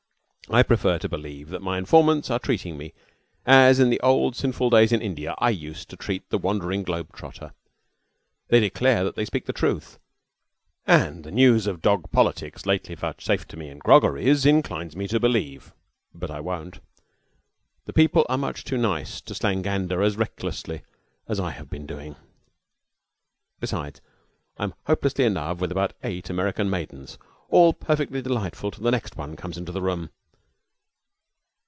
I prefer to believe that my informants are treating me as in the old sinful days in India I was used to treat the wandering globe trotter. They declare that they speak the truth, and the news of dog politics lately vouchsafed to me in groggeries inclines me to believe, but I won't. The people are much too nice to slangander as recklessly as I have been doing. Besides, I am hopelessly in love with about eight American maidens all perfectly delightful till the next one comes into the room.